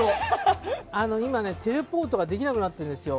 今、テレポートができなくなってるんですよ。